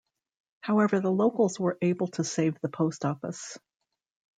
However the locals were able to save the post office.